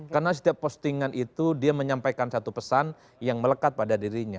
karena setiap postingan itu dia menyampaikan satu pesan yang melekat pada dirinya